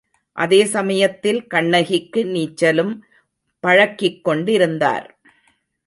அதே சமயத்தில் கண்ணகிக்கு நீச்சலும் பழக்கிக்கொண்டிருந்தார்.